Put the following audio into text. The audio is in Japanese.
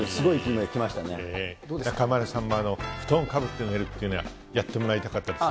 中丸さんも布団被って寝るっていうの、やってもらいたかったですね。